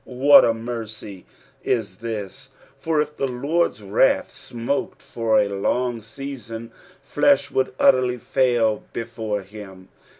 What a mercy is this, for if the Lord's wrath smoked for a long season, flesh would utterly fail before him.